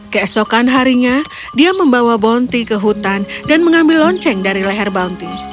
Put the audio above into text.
keesokan harinya dia membawa bounty ke hutan dan mengambil lonceng dari leher bounty